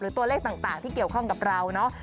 ตัวเลขต่างที่เกี่ยวข้องกับเราเนาะ